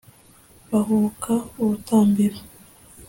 bahubaka urutambiro